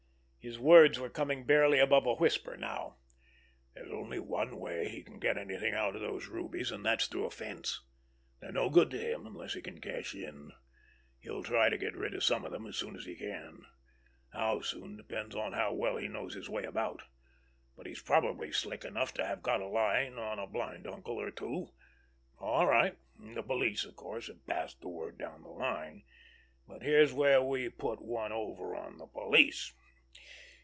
His words were coming barely above a whisper now. "There's only one way he can get anything out of those rubies, and that's through a 'fence.' They're no good to him unless he can cash in. He'll try to get rid of some of them as soon as he can. How soon depends on how well he knows his way about. But he's probably slick enough to have got a line on a blind uncle or two. All right! The police, of course, have passed the word down the line, but here's where we put one over on the police.